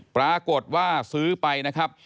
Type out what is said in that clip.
ปรากฏว่าซื้อไปนะครับ